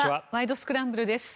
スクランブル」です。